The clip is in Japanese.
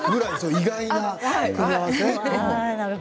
意外な組み合わせ。